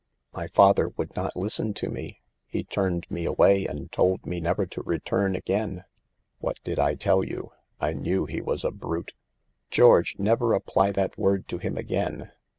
"My father would not listen to me. He turned me away and told me never to return again." " What did I tell you? I knew he was a brute." "George, never apply that word to him again.